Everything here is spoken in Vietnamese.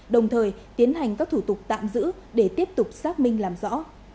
đồng thời tiến hành các thủ tục tạm giữ để tiếp tục xác minh làm rõ